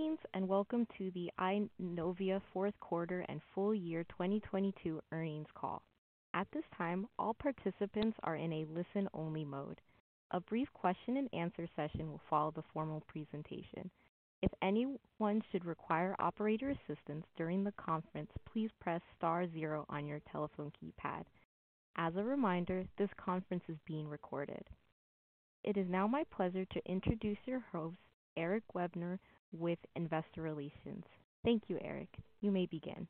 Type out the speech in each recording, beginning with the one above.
Greetings, and welcome to the Eyenovia, Inc. fourth quarter and full year 2022 earnings call. At this time, all participants are in a listen-only mode. A brief question and answer session will follow the formal presentation. If anyone should require operator assistance during the conference, please press star zero on your telephone keypad. As a reminder, this conference is being recorded. It is now my pleasure to introduce your host, Eric Ribner, with Investor Relations. Thank you, Eric. You may begin.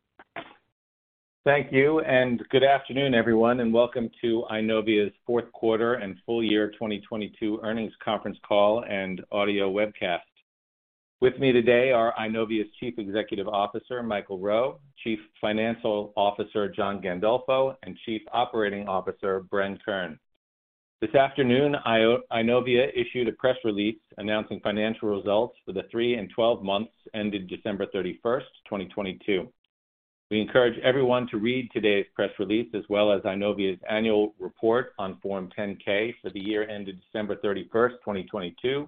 Thank you. Good afternoon, everyone, and welcome to Eyenovia's fourth quarter and full year 2022 earnings conference call and audio webcast. With me today are Eyenovia's Chief Executive Officer Michael Rowe, Chief Financial Officer John Gandolfo, and Chief Operating Officer Bren Kern. This afternoon, Eyenovia issued a press release announcing financial results for the three and 12 months ended December 31, 2022. We encourage everyone to read today's press release, as well as Eyenovia's annual report on Form 10-K for the year ended December 31st, 2022,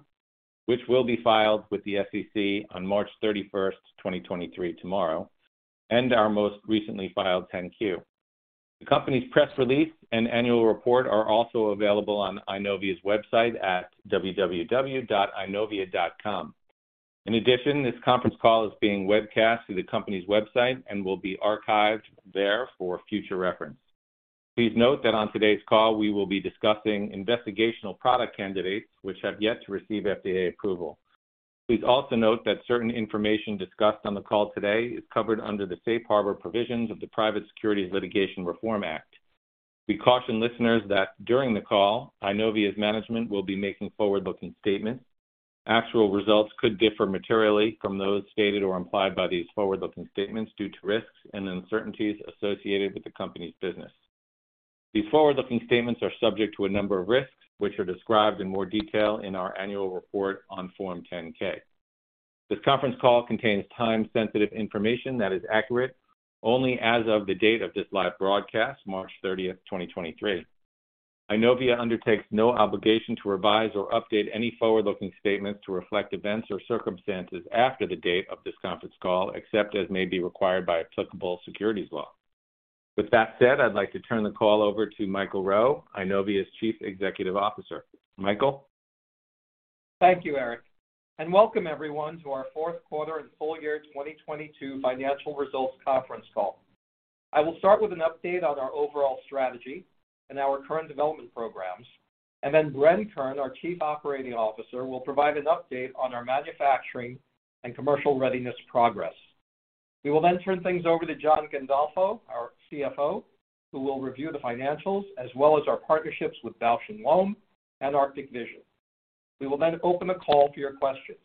which will be filed with the SEC on March 31st, 2023, tomorrow, and our most recently filed 10-Q. The company's press release and annual report are also available on Eyenovia's website at www.eyenovia.com. This conference call is being webcast through the company's website and will be archived there for future reference. Please note that on today's call we will be discussing investigational product candidates which have yet to receive FDA approval. Please also note that certain information discussed on the call today is covered under the safe harbor provisions of the Private Securities Litigation Reform Act. We caution listeners that during the call, Eyenovia's management will be making forward-looking statements. Actual results could differ materially from those stated or implied by these forward-looking statements due to risks and uncertainties associated with the company's business. These forward-looking statements are subject to a number of risks, which are described in more detail in our annual report on Form 10-K. This conference call contains time-sensitive information that is accurate only as of the date of this live broadcast, March 30th, 2023. Eyenovia undertakes no obligation to revise or update any forward-looking statements to reflect events or circumstances after the date of this conference call, except as may be required by applicable securities law. With that said, I'd like to turn the call over to Michael Rowe, Eyenovia's Chief Executive Officer. Michael? Thank you, Eric. Welcome everyone to our fourth quarter and full year 2022 financial results conference call. I will start with an update on our overall strategy and our current development programs. Bren Kern, our Chief Operating Officer, will provide an update on our manufacturing and commercial readiness progress. We will turn things over to John Gandolfo, our CFO, who will review the financials as well as our partnerships with Bausch + Lomb and Arctic Vision. We will open the call for your questions.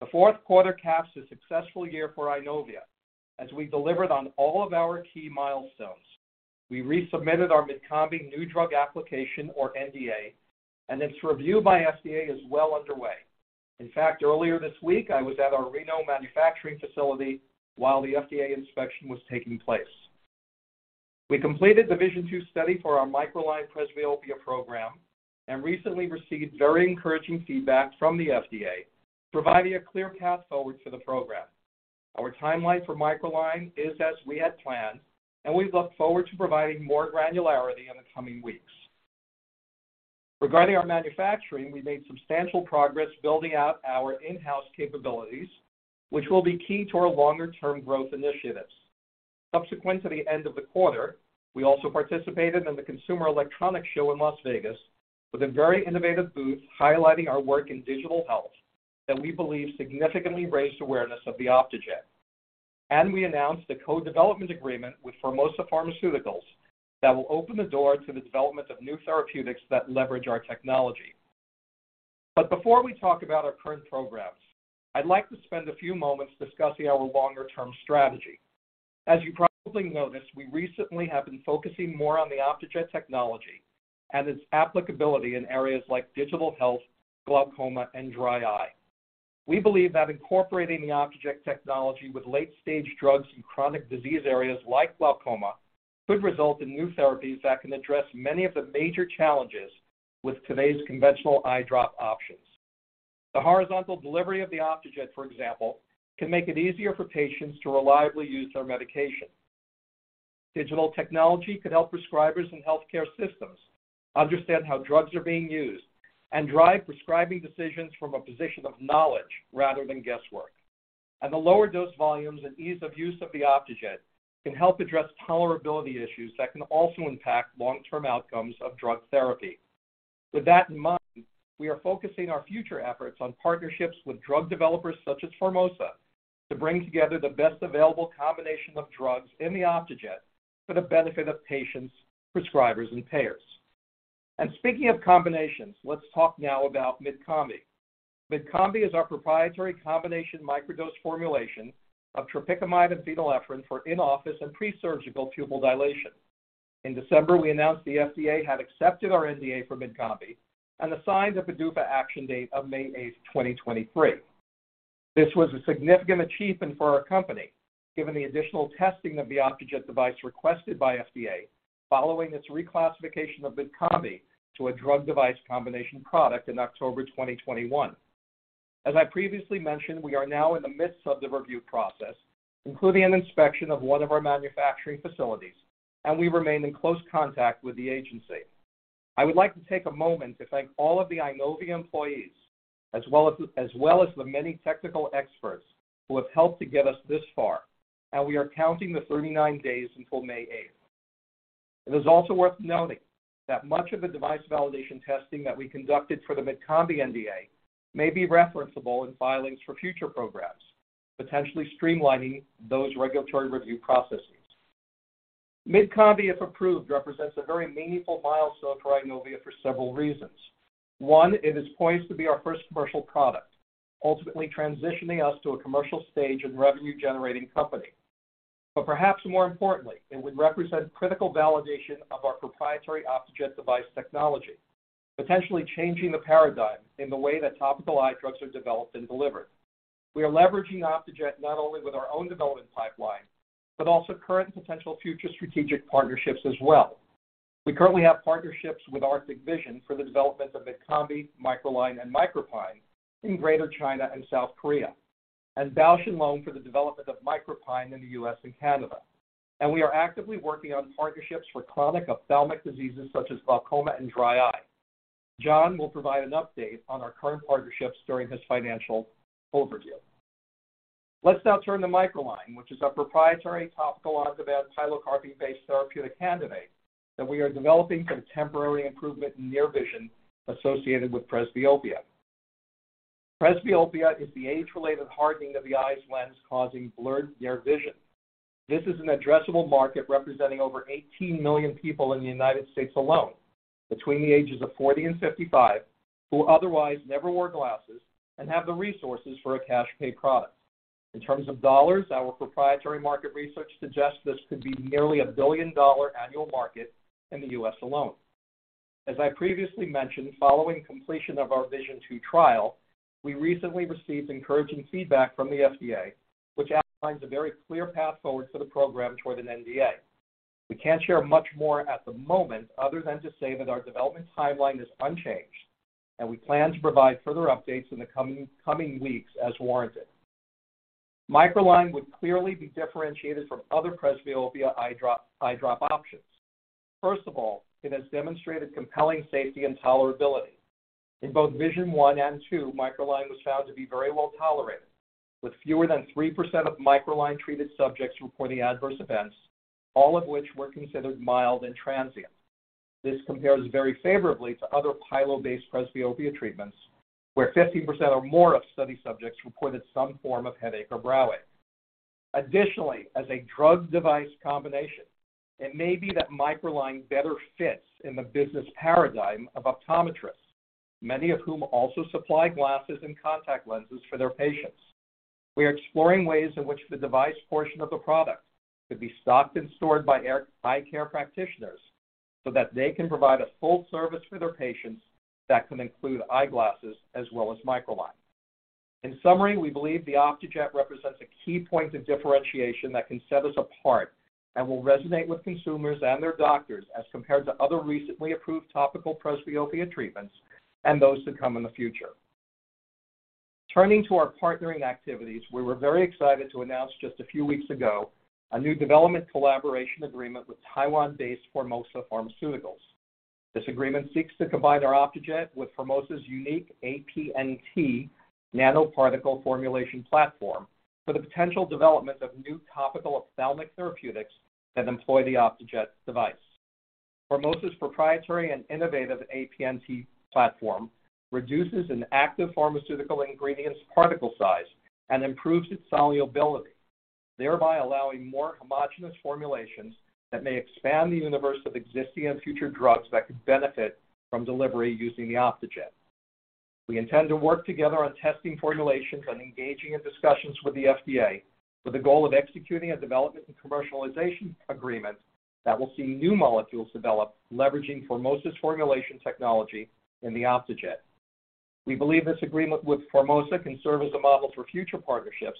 The fourth quarter caps a successful year for Eyenovia as we delivered on all of our key milestones. We resubmitted our Mydcombi new drug application, or NDA. Its review by FDA is well underway. In fact, earlier this week I was at our Reno manufacturing facility while the FDA inspection was taking place. We completed the VISION-2 study for our MicroLine presbyopia program and recently received very encouraging feedback from the FDA, providing a clear path forward for the program. Our timeline for MicroLine is as we had planned, and we look forward to providing more granularity in the coming weeks. Regarding our manufacturing, we've made substantial progress building out our in-house capabilities, which will be key to our longer term growth initiatives. Subsequent to the end of the quarter, we also participated in the Consumer Electronics Show in Las Vegas with a very innovative booth highlighting our work in digital health that we believe significantly raised awareness of the Optejet. We announced a co-development agreement with Formosa Pharmaceuticals that will open the door to the development of new therapeutics that leverage our technology. Before we talk about our current programs, I'd like to spend a few moments discussing our longer term strategy. As you probably noticed, we recently have been focusing more on the Optejet technology and its applicability in areas like digital health, glaucoma, and dry eye. We believe that incorporating the Optejet technology with late stage drugs in chronic disease areas like glaucoma could result in new therapies that can address many of the major challenges with today's conventional eye drop options. The horizontal delivery of the Optejet, for example, can make it easier for patients to reliably use their medication. Digital technology could help prescribers and healthcare systems understand how drugs are being used and drive prescribing decisions from a position of knowledge rather than guesswork. The lower dose volumes and ease of use of the Optejet can help address tolerability issues that can also impact long-term outcomes of drug therapy. With that in mind, we are focusing our future efforts on partnerships with drug developers such as Formosa to bring together the best available combination of drugs in the Optejet for the benefit of patients, prescribers, and payers. Speaking of combinations, let's talk now about Mydcombi. Mydcombi is our proprietary combination micro-dose formulation of tropicamide and phenylephrine for in-office and pre-surgical pupil dilation. In December, we announced the FDA had accepted our NDA for Mydcombi and assigned a PDUFA action date of May 8, 2023. This was a significant achievement for our company, given the additional testing of the Optejet device requested by FDA following its reclassification of Mydcombi to a drug device combination product in October 2021. As I previously mentioned, we are now in the midst of the review process, including an inspection of one of our manufacturing facilities. We remain in close contact with the agency. I would like to take a moment to thank all of the Eyenovia employees as well as the many technical experts who have helped to get us this far. We are counting the 39 days until May 8th. It is also worth noting that much of the device validation testing that we conducted for the Mydcombi NDA may be referenceable in filings for future programs, potentially streamlining those regulatory review processes. Mydcombi, if approved, represents a very meaningful milestone for Eyenovia for several reasons. One, it is poised to be our first commercial product, ultimately transitioning us to a commercial stage and revenue-generating company. Perhaps more importantly, it would represent critical validation of our proprietary Optejet device technology, potentially changing the paradigm in the way that topical eye drugs are developed and delivered. We are leveraging Optejet not only with our own development pipeline, but also current potential future strategic partnerships as well. We currently have partnerships with Arctic Vision for the development of Mydcombi, MicroLine, and MicroPine in Greater China and South Korea, and Bausch + Lomb for the development of MicroPine in the U.S. and Canada. We are actively working on partnerships for chronic ophthalmic diseases such as glaucoma and dry eye. John will provide an update on our current partnerships during his financial overview. Let's now turn to MicroLine, which is our proprietary topical one of the best pilocarpine-based therapeutic candidate that we are developing for temporary improvement in near vision associated with presbyopia. Presbyopia is the age-related hardening of the eye's lens, causing blurred near vision. This is an addressable market representing over 18 million people in the United States alone between the ages of 40 and 55, who otherwise never wore glasses and have the resources for a cash pay product. In terms of dollars, our proprietary market research suggests this could be nearly a billion-dollar annual market in the U.S. alone. As I previously mentioned, following completion of our VISION-2 trial, we recently received encouraging feedback from the FDA, which outlines a very clear path forward for the program toward an NDA. We can't share much more at the moment other than to say that our development timeline is unchanged, and we plan to provide further updates in the coming weeks as warranted. MicroLine would clearly be differentiated from other presbyopia eye drop options. First of all, it has demonstrated compelling safety and tolerability. In both VISION-1 and VISION-2, MicroLine was found to be very well tolerated, with fewer than 3% of MicroLine-treated subjects reporting adverse events, all of which were considered mild and transient. This compares very favorably to other pilo-based presbyopia treatments, where 50% or more of study subjects reported some form of headache or brow ache. Additionally, as a drug device combination, it may be that MicroLine better fits in the business paradigm of optometrists, many of whom also supply glasses and contact lenses for their patients. We are exploring ways in which the device portion of the product could be stocked and stored by eye care practitioners so that they can provide a full service for their patients that can include eyeglasses as well as MicroLine. In summary, we believe the Optejet represents a key point of differentiation that can set us apart and will resonate with consumers and their doctors as compared to other recently approved topical presbyopia treatments and those to come in the future. Turning to our partnering activities, we were very excited to announce just a few weeks ago a new development collaboration agreement with Taiwan-based Formosa Pharmaceuticals. This agreement seeks to combine our Optejet with Formosa's unique APNT nanoparticle formulation platform for the potential development of new topical ophthalmic therapeutics that employ the Optejet device. Formosa's proprietary and innovative APNT platform reduces an active pharmaceutical ingredient's particle size and improves its solubility, thereby allowing more homogenous formulations that may expand the universe of existing and future drugs that could benefit from delivery using the Optejet. We intend to work together on testing formulations and engaging in discussions with the FDA for the goal of executing a development and commercialization agreement that will see new molecules developed, leveraging Formosa's formulation technology in the Optejet. We believe this agreement with Formosa can serve as a model for future partnerships,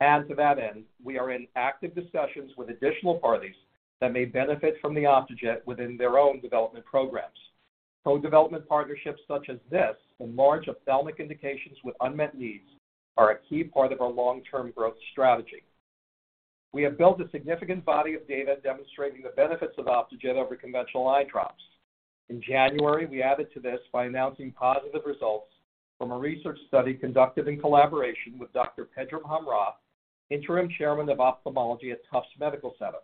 and to that end, we are in active discussions with additional parties that may benefit from the Optejet within their own development programs. Co-development partnerships such as this in large ophthalmic indications with unmet needs are a key part of our long-term growth strategy. We have built a significant body of data demonstrating the benefits of Optejet over conventional eye drops. In January, we added to this by announcing positive results from a research study conducted in collaboration with Dr. Pedram Hamrah, Interim Chairman of Ophthalmology at Tufts Medical Center.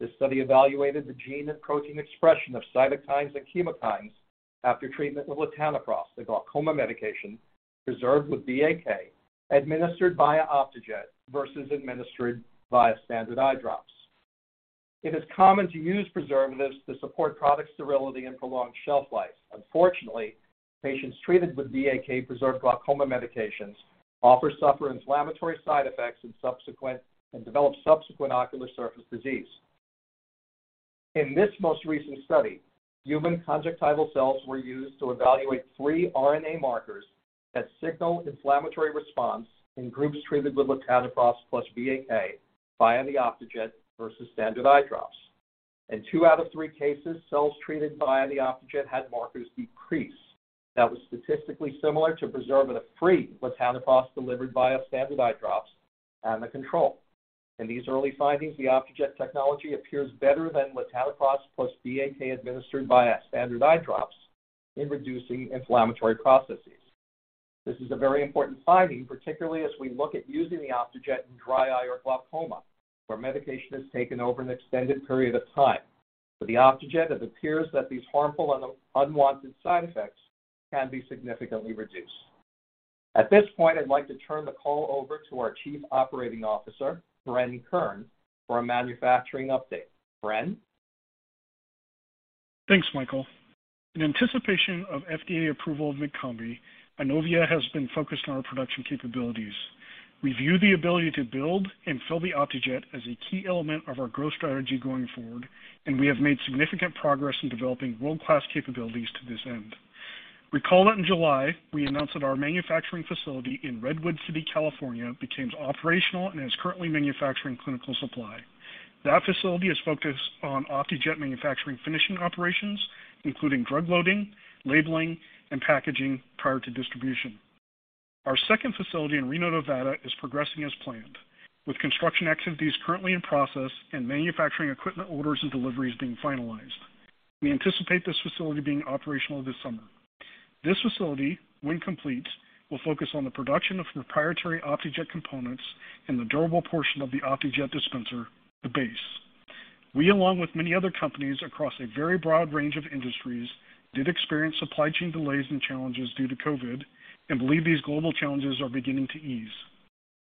This study evaluated the gene and protein expression of cytokines and chemokines after treatment with latanoprost, a glaucoma medication preserved with BAK, administered via Optejet vs. administered via standard eye drops. It is common to use preservatives to support product sterility and prolong shelf life. Unfortunately, patients treated with BAK-preserved glaucoma medications often suffer inflammatory side effects and develop subsequent ocular surface disease. In this most recent study, human conjunctival cells were used to evaluate three RNA markers that signal inflammatory response in groups treated with latanoprost plus BAK via the Optejet vs. standard eye drops. In two out of three cases, cells treated via the Optejet had markers decrease that was statistically similar to preservative-free latanoprost delivered via standard eye drops and the control. In these early findings, the Optejet technology appears better than latanoprost plus BAK administered via standard eye drops in reducing inflammatory processes. This is a very important finding, particularly as we look at using the Optejet in dry eye or glaucoma, where medication is taken over an extended period of time. For the Optejet, it appears that these harmful and unwanted side effects can be significantly reduced. At this point, I'd like to turn the call over to our Chief Operating Officer, Bren Kern, for a manufacturing update. Bren? Thanks, Michael. In anticipation of FDA approval of Mydcombi, Eyenovia has been focused on our production capabilities. We view the ability to build and fill the Optejet as a key element of our growth strategy going forward, and we have made significant progress in developing world-class capabilities to this end. Recall that in July, we announced that our manufacturing facility in Redwood City, California, became operational and is currently manufacturing clinical supply. That facility is focused on Optejet manufacturing finishing operations, including drug loading, labeling, and packaging prior to distribution. Our second facility in Reno, Nevada, is progressing as planned with construction activities currently in process and manufacturing equipment orders and deliveries being finalized. We anticipate this facility being operational this summer. This facility, when complete, will focus on the production of proprietary Optejet components and the durable portion of the Optejet dispenser, the base. We, along with many other companies across a very broad range of industries, did experience supply chain delays and challenges due to COVID and believe these global challenges are beginning to ease.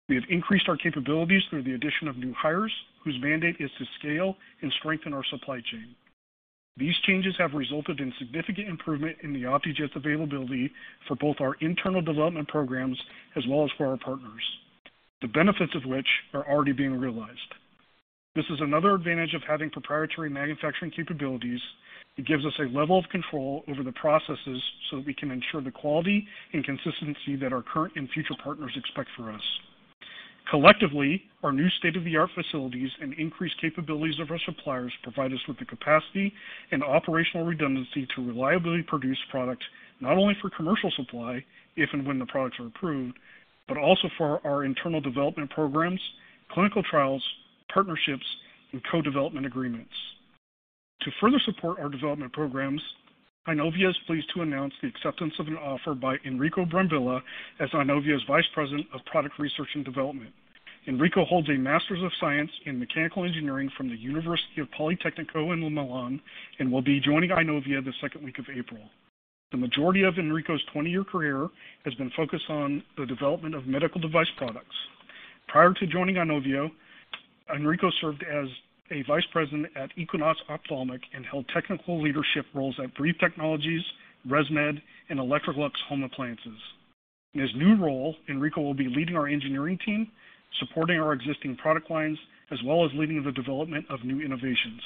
We have increased our capabilities through the addition of new hires whose mandate is to scale and strengthen our supply chain. These changes have resulted in significant improvement in the Optejet's availability for both our internal development programs as well as for our partners, the benefits of which are already being realized. This is another advantage of having proprietary manufacturing capabilities. It gives us a level of control over the processes so that we can ensure the quality and consistency that our current and future partners expect from us. Collectively, our new state-of-the-art facilities and increased capabilities of our suppliers provide us with the capacity and operational redundancy to reliably produce product not only for commercial supply, if and when the products are approved, but also for our internal development programs, clinical trials, partnerships, and co-development agreements. To further support our development programs, Eyenovia is pleased to announce the acceptance of an offer by Enrico Brambilla as Eyenovia's Vice President of Product Research and Development. Enrico holds a Master's of Science in Mechanical Engineering from the University of Politecnico di Milano and will be joining Eyenovia the second week of April. The majority of Enrico's 20 year career has been focused on the development of medical device products. Prior to joining Eyenovia, Enrico served as a vice president at Equinox Ophthalmic and held technical leadership roles at Breathe Technologies, ResMed, and Electrolux Home Appliances. In his new role, Enrico will be leading our engineering team, supporting our existing product lines, as well as leading the development of new innovations.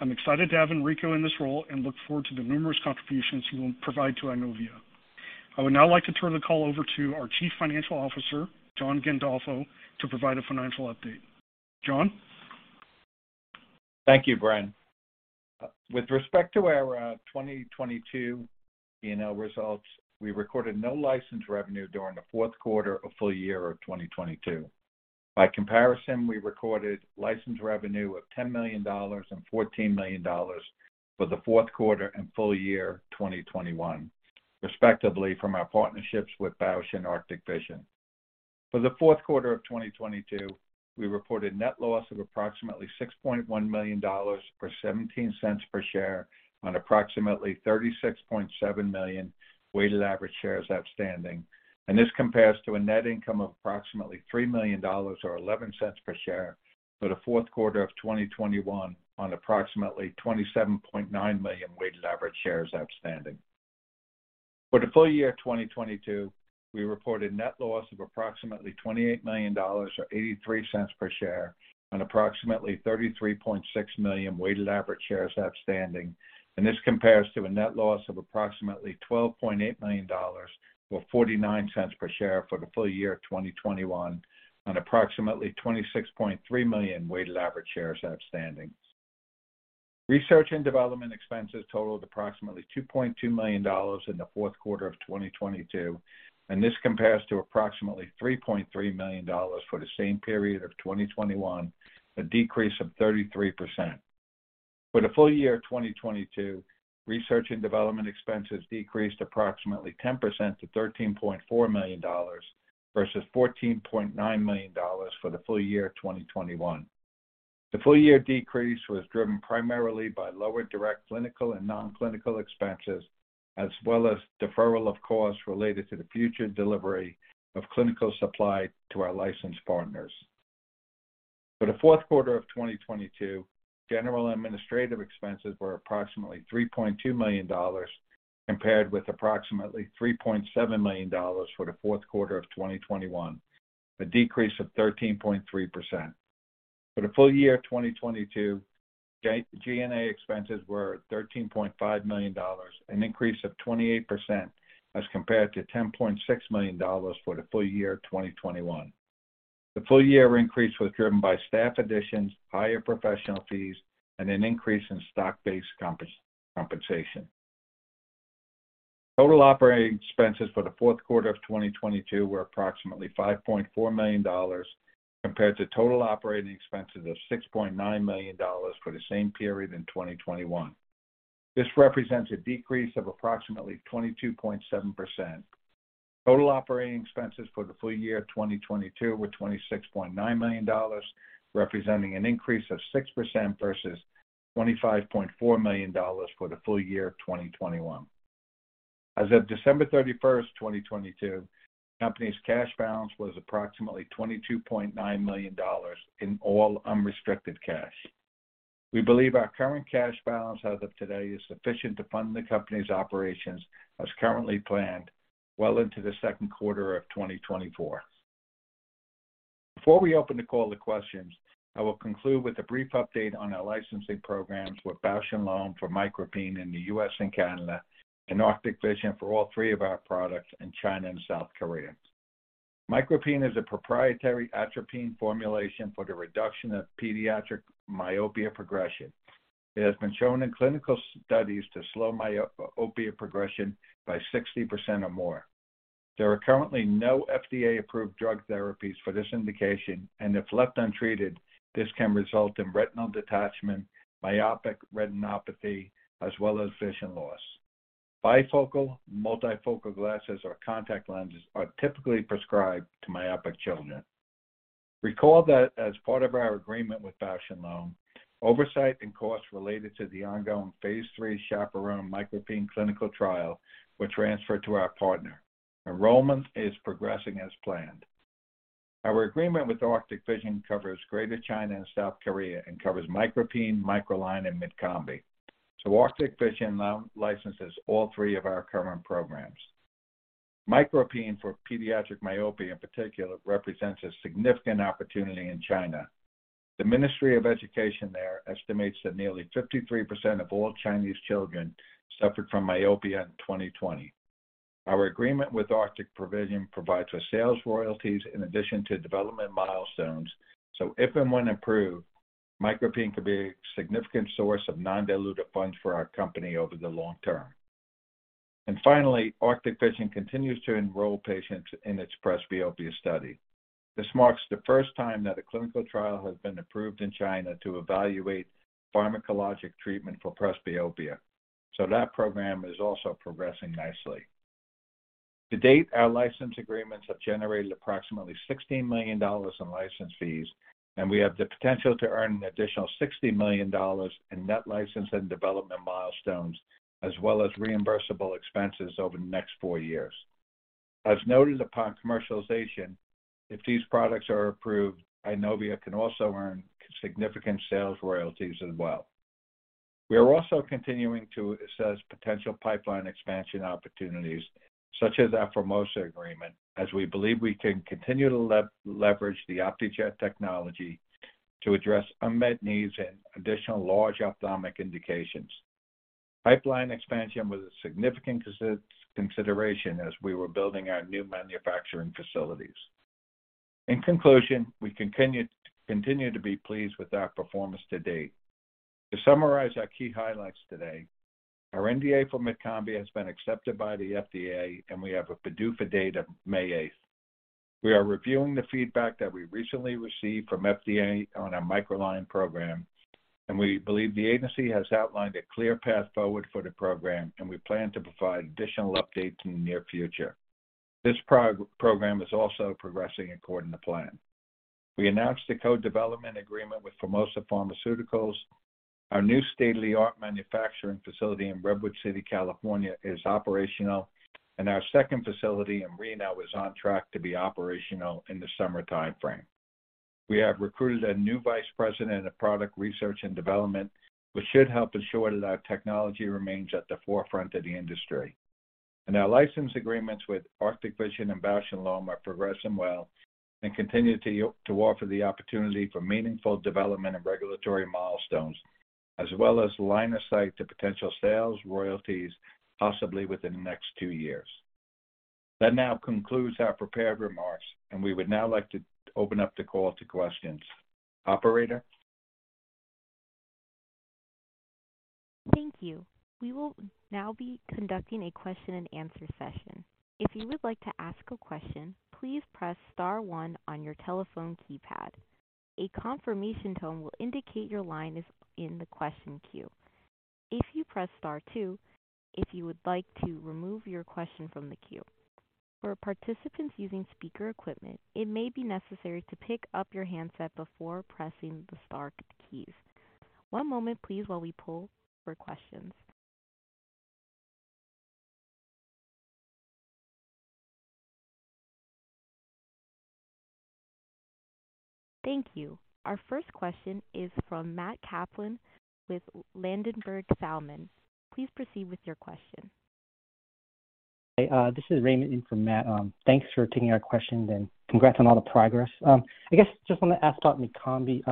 I'm excited to have Enrico in this role and look forward to the numerous contributions he will provide to Eyenovia. I would now like to turn the call over to our Chief Financial Officer, John Gandolfo, to provide a financial update. John? Thank you, Bren. With respect to our 2022 P&L results, we recorded no license revenue during the fourth quarter or full year of 2022. By comparison, we recorded license revenue of $10 million and $14 million for the fourth quarter and full year 2021, respectively, from our partnerships with Bausch and Arctic Vision. For the fourth quarter of 2022, we reported net loss of approximately $6.1 million or $0.17 per share on approximately 36.7 million weighted average shares outstanding. This compares to a net income of approximately $3 million or $0.11 per share for the fourth quarter of 2021 on approximately 27.9 million weighted average shares outstanding. For the full year 2022, we reported net loss of approximately $28 million or $0.83 per share on approximately 33.6 million weighted average shares outstanding. This compares to a net loss of approximately $12.8 million or $0.49 per share for the full year of 2021 on approximately 26.3 million weighted average shares outstanding. Research and development expenses totaled approximately $2.2 million in the fourth quarter of 2022. This compares to approximately $3.3 million for the same period of 2021, a decrease of 33%. For the full year of 2022, research and development expenses decreased approximately 10% to $13.4 million vs. $14.9 million for the full year of 2021. The full-year decrease was driven primarily by lower direct clinical and non-clinical expenses, as well as deferral of costs related to the future delivery of clinical supply to our licensed partners. For the fourth quarter of 2022, general administrative expenses were approximately $3.2 million. Compared with approximately $3.7 million for the fourth quarter of 2021, a decrease of 13.3%. For the full year of 2022, G&A expenses were $13.5 million, an increase of 28% as compared to $10.6 million for the full year of 2021. The full-year increase was driven by staff additions, higher professional fees, and an increase in stock-based compensation. Total operating expenses for the fourth quarter of 2022 were approximately $5.4 million compared to total operating expenses of $6.9 million for the same period in 2021. This represents a decrease of approximately 22.7%. Total operating expenses for the full year of 2022 were $26.9 million, representing an increase of 6% vs. $25.4 million for the full year of 2021. As of December 31st, 2022, the company's cash balance was approximately $22.9 million in all unrestricted cash. We believe our current cash balance as of today is sufficient to fund the company's operations as currently planned well into the second quarter of 2024. Before we open the call to questions, I will conclude with a brief update on our licensing programs with Bausch + Lomb for MicroPine in the U.S. and Canada, and Arctic Vision for all three of our products in China and South Korea. MicroPine is a proprietary atropine formulation for the reduction of pediatric myopia progression. It has been shown in clinical studies to slow myopia progression by 60% or more. There are currently no FDA-approved drug therapies for this indication, and if left untreated, this can result in retinal detachment, myopic retinopathy, as well as vision loss. Bifocal, multifocal glasses or contact lenses are typically prescribed to myopic children. Recall that as part of our agreement with Bausch + Lomb, oversight and costs related to the ongoing phase III CHAPERONE MicroPine clinical trial were transferred to our partner. Enrollment is progressing as planned. Our agreement with Arctic Vision covers Greater China and South Korea and covers MicroPine, MicroLine, and Mydcombi. Arctic Vision now licenses all three of our current programs. MicroPine for pediatric myopia in particular represents a significant opportunity in China. The Ministry of Education there estimates that nearly 53% of all Chinese children suffered from myopia in 2020. Our agreement with Arctic Vision provides us sales royalties in addition to development milestones. If and when approved, MicroPine could be a significant source of non-dilutive funds for our company over the long term. Finally, Arctic Vision continues to enroll patients in its presbyopia study. This marks the first time that a clinical trial has been approved in China to evaluate pharmacologic treatment for presbyopia. That program is also progressing nicely. To date, our license agreements have generated approximately $16 million in license fees, and we have the potential to earn an additional $60 million in net license and development milestones, as well as reimbursable expenses over the next four years. As noted upon commercialization, if these products are approved, Eyenovia can also earn significant sales royalties as well. We are also continuing to assess potential pipeline expansion opportunities such as our Formosa agreement, as we believe we can continue to leverage the Optejet technology to address unmet needs in additional large ophthalmic indications. Pipeline expansion was a significant consideration as we were building our new manufacturing facilities. In conclusion, we continue to be pleased with our performance to date. To summarize our key highlights today, our NDA for Mydcombi has been accepted by the FDA and we have a PDUFA date of May 8th. We are reviewing the feedback that we recently received from FDA on our MicroLine program. We believe the agency has outlined a clear path forward for the program. We plan to provide additional updates in the near future. This program is also progressing according to plan. We announced a co-development agreement with Formosa Pharmaceuticals. Our new state-of-the-art manufacturing facility in Redwood City, California is operational. Our second facility in Reno is on track to be operational in the summer timeframe. We have recruited a new vice president of product research and development, which should help ensure that our technology remains at the forefront of the industry. Our license agreements with Arctic Vision and Bausch + Lomb are progressing well and continue to offer the opportunity for meaningful development and regulatory milestones, as well as line of sight to potential sales royalties possibly within the next two years. That now concludes our prepared remarks. We would now like to open up the call to questions. Operator? Thank you. We will now be conducting a question and answer session. If you would like to ask a question, please press star one on your telephone keypad. A confirmation tone will indicate your line is in the question queue. If you press star two if you would like to remove your question from the queue. For participants using speaker equipment, it may be necessary to pick up your handset before pressing the star keys. One moment please while we pull for questions. Thank you. Our first question is from Matt Kaplan with Ladenburg Thalmann. Please proceed with your question. Hey, this is Raymond in for Matt. Thanks for taking our questions and congrats on all the progress. I guess just wanna ask about Mydcombi.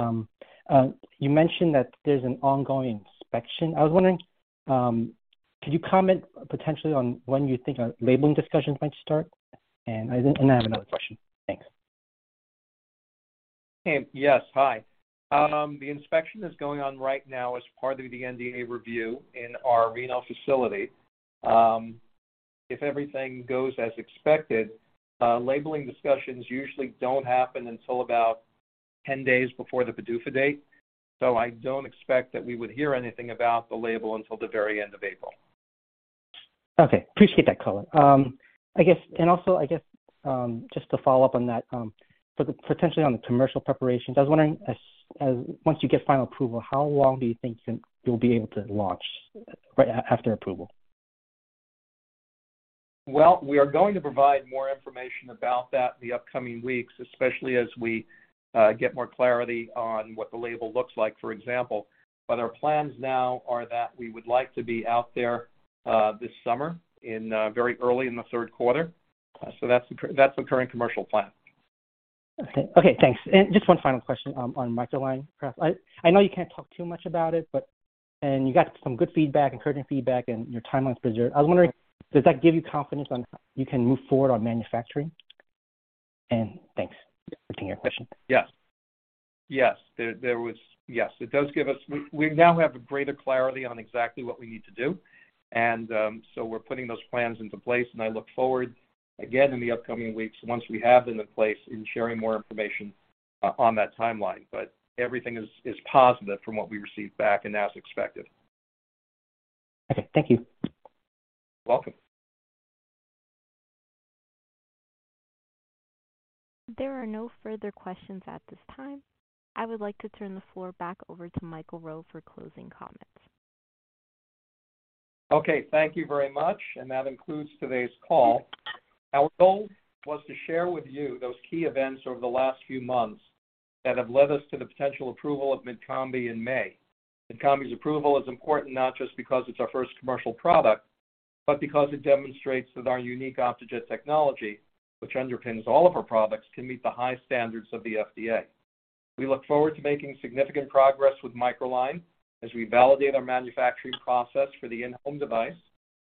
You mentioned that there's an ongoing inspection. I was wondering, could you comment potentially on when you think a labeling discussion might start? I have another question. Thanks. Yes. Hi. The inspection is going on right now as part of the NDA review in our Reno facility. If everything goes as expected, labeling discussions usually don't happen until about 10 days before the PDUFA date. I don't expect that we would hear anything about the label until the very end of April. Okay. Appreciate that color. Also I guess, just to follow up on that, for the potentially on the commercial preparations, I was wondering as once you get final approval, how long do you think you'll be able to launch right after approval? We are going to provide more information about that in the upcoming weeks, especially as we get more clarity on what the label looks like, for example. Our plans now are that we would like to be out there this summer in very early in the third quarter. That's the current commercial plan. Okay. Okay, thanks. Just one final question, on MicroLine. I know you can't talk too much about it, but you got some good feedback, encouraging feedback, and your timeline's preserved. I was wondering, does that give you confidence on you can move forward on manufacturing? Thanks for taking your question. Yes. Yes, there was. We now have a greater clarity on exactly what we need to do, and so we're putting those plans into place, and I look forward again in the upcoming weeks once we have them in place in sharing more information on that timeline. Everything is positive from what we received back and as expected. Okay. Thank you. Welcome. There are no further questions at this time. I would like to turn the floor back over to Michael Rowe for closing comments. Okay. Thank you very much, that concludes today's call. Our goal was to share with you those key events over the last few months that have led us to the potential approval of Mydcombi in May. Mydcombi's approval is important not just because it's our first commercial product, but because it demonstrates that our unique Optejet technology, which underpins all of our products, can meet the high standards of the FDA. We look forward to making significant progress with MicroLine as we validate our manufacturing process for the in-home device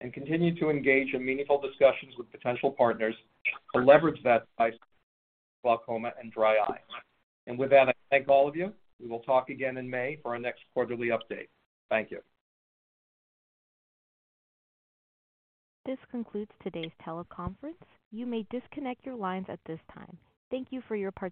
and continue to engage in meaningful discussions with potential partners to leverage that device glaucoma and dry eyes. With that, I thank all of you. We will talk again in May for our next quarterly update. Thank you. This concludes today's teleconference. You may disconnect your lines at this time. Thank you for your participation.